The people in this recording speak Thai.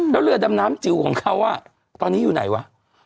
แล้วเรือดำน้ำจิ๋วของเขาตอนนี้อยู่ไหนวะ